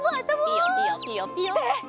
ピヨピヨピヨピヨ。って。